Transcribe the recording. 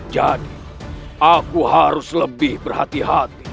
jadi aku harus lebih berhati hati